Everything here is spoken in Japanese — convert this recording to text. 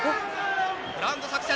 グラウンド作戦。